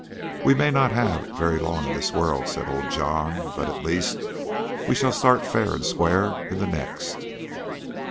"We may not have very long in this world," said old John, "but at least we shall start fair and square in the next."